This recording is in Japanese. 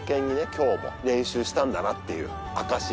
今日も練習したんだなっていう証し。